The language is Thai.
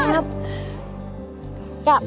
ขอบคุณค่ะคุณป้า